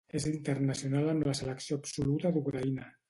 És internacional amb la selecció absoluta d'Ucraïna.